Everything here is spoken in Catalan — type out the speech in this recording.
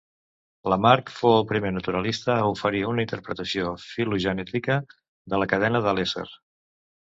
Lamarck fou el primer naturalista a oferir una interpretació filogenètica de la cadena de l'ésser.